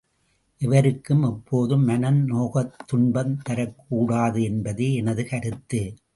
எவருக்கும், எப்போதும் மனம் நோகத் துன்பம் தரக் கூடாது என்பதே எனது கருத்து.